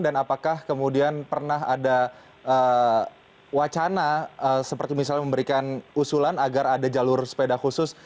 dan apakah kemudian pernah ada wacana seperti misalnya memberikan usulan agar ada jalur sepeda khusus